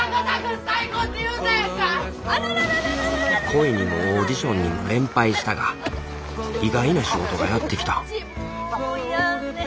恋にもオーディションにも連敗したが意外な仕事がやって来たもうやあね。